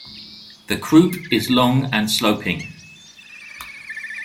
The croup is long and sloping.